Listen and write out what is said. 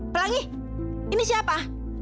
pelangi ini siapa